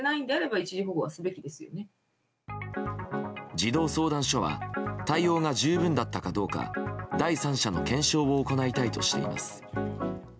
児童相談所は対応が十分だったかどうか第三者の検証を行いたいとしています。